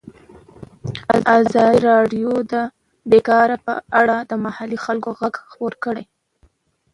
ازادي راډیو د بیکاري په اړه د محلي خلکو غږ خپور کړی.